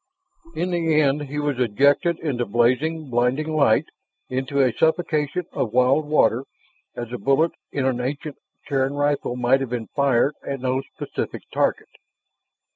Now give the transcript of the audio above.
In the end he was ejected into blazing, blinding light, into a suffocation of wild water as the bullet in an ancient Terran rifle might have been fired at no specific target.